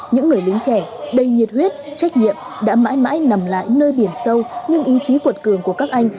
những người lính trẻ đầy nhiệt huyết trách nhiệm đã mãi mãi nằm lại nơi biển sâu nhưng ý chí cuột cường của các anh